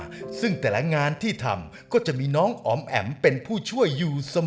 ซึ่งแต่ละงานที่ทำก็จะมีน้องอ๋อมแอ๋มเป็นผู้ช่วยอยู่เสมอ